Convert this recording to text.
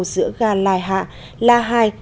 giữa ga lai hạ la hai